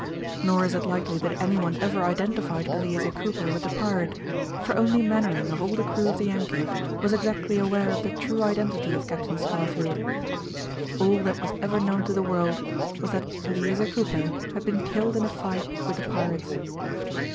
Nor is it likely that anyone ever identified Eleazer Cooper with the pirate, for only Mainwaring of all the crew of the Yankee was exactly aware of the true identity of Captain Scarfield. All that was ever known to the world was that Eleazer Cooper had been killed in a fight with the pirates.